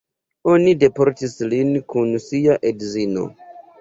Oni deportis lin kun sia edzino.